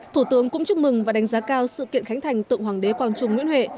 thủ tướng cũng chúc mừng và đánh giá cao sự kiện khánh thành tượng hoàng đế quang trung nguyễn huệ